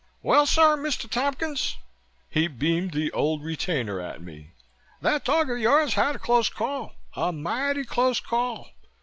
"Well, sir, Mr. Tompkins," he beamed the Old Retainer at me. "That dog of yours had a close call, a mighty close call.